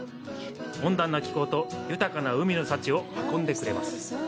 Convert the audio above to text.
温暖な気候と豊かな海の幸を運んでくれます。